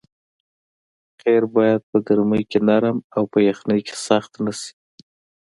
قیر باید په ګرمۍ کې نرم او په یخنۍ کې سخت نه شي